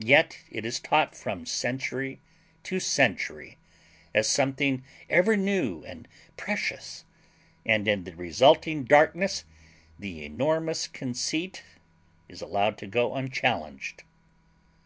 Yet it is taught from century to century as something ever new and precious, and in the resulting darkness the enormous conceit is allowed to go unchallenged.